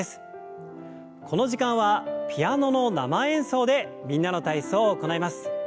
この時間はピアノの生演奏で「みんなの体操」を行います。